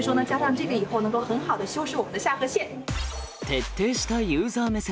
徹底したユーザー目線。